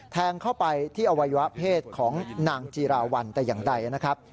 แทงเข้าไปที่อวัยวะเพศของนางจีราวัลแต่อย่างใดนะครับ